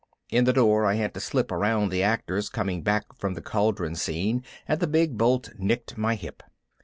In the door I had to slip around the actors coming back from the Cauldron Scene and the big bolt nicked my hip.